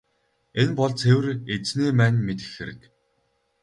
Энэ бол цэвэр Эзэний маань мэдэх хэрэг.